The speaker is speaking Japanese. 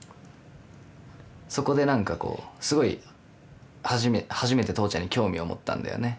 そこで何かこうすごい初めて初めて父ちゃんに興味を持ったんだよね。